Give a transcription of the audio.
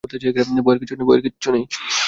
ভয়ের কিচ্ছু নেই!